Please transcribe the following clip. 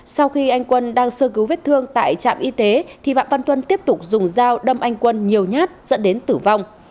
sau khi anh quân đang sơ cứu vết thương tại trạm y tế thì phạm văn tuân tiếp tục dùng dao đâm anh quân nhiều nhát dẫn đến tử vong